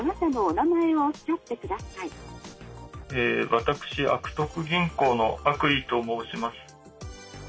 私悪徳銀行の悪意と申します。